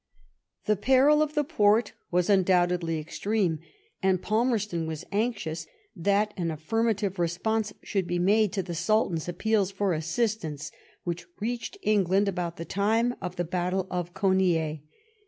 The peril of the Porte was undoubtedly extreme, and Palmerston was anxious that an affirmative response should be made to the Sultan's appeals for assistance, which reached England about the time of the battle of Konieh.